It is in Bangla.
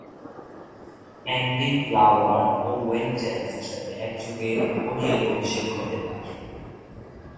অ্যান্ডি ফ্লাওয়ার ও ওয়েন জেমসের সাথে একযোগে ওডিআই অভিষেক ঘটে তার।